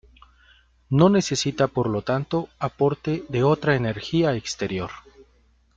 No necesita por lo tanto aporte de otra energía exterior.